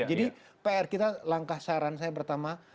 jadi pr kita langkah saran saya pertama